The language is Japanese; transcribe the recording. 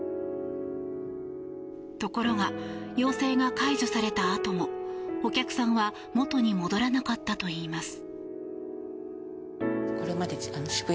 ところが要請が解除されたあともお客さんは元に戻らなかったといいます。